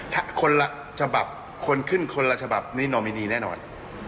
ถ้าคนละฉบับคนขึ้นคนละฉบับนี่นอมินีแน่นอน